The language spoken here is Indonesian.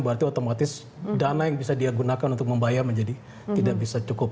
berarti otomatis dana yang bisa dia gunakan untuk membayar menjadi tidak bisa cukup